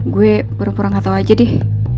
gue pura pura gak tau aja deh